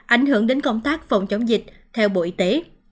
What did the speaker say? ảnh hưởng đến công tác phòng chống dịch theo bộ y tế